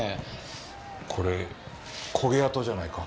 これ焦げ跡じゃないか？